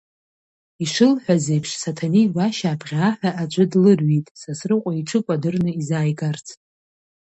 Ишылҳәаз еиԥш, Саҭанеи Гәашьа абӷьааҳәа аӡәы длырҩит, Сасрыҟәа иҽы кәадырны изааигарц.